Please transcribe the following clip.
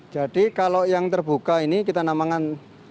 jadi kalau yang terbuka ini kita namakan